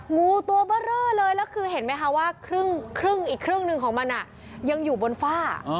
งูตัวเบอร์เรอเลยแล้วคือเห็นไหมคะว่าครึ่งอีกครึ่งหนึ่งของมันยังอยู่บนฝ้า